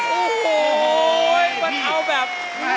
โอ้โหมันเอาแบบ